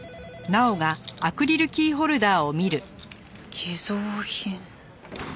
偽造品。